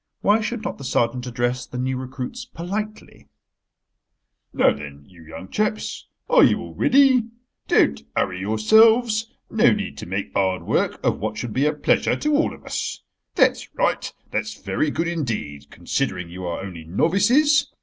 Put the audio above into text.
Why should not the sergeant address the new recruits politely: "Now then, you young chaps, are you all ready? Don't hurry yourselves: no need to make hard work of what should be a pleasure to all of us. That's right, that's very good indeed—considering you are only novices.